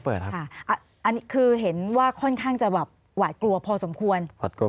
เป็นทางจะหวัดกลัวพอสมควร